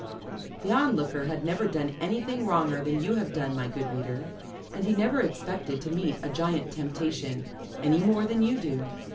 The Onlooker had never done anything wronger than you have done, my good reader, and he never expected to meet a giant temptation, any more than you do.